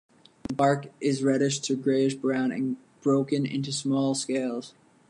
The bark is reddish- to grayish-brown, and broken into small scales.